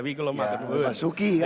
pak basuki ya